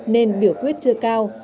nên biểu quyết chưa cao